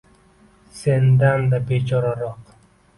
Sendan-da bechoraroq